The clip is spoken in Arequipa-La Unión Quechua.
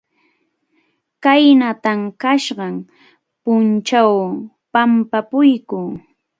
Khaynatam kasqan pʼunchaw pʼampapuyku.